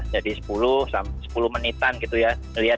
jadi sepuluh menitan gitu ya